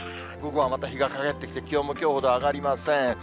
午後はまた日が陰ってきて、気温もきょうほど上がりません。